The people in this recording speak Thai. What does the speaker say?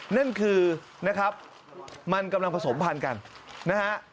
นั่นคือนะครับมันกำลังผสมพันธุ์กันนะฮะ